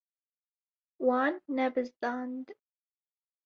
Wan nebizdand.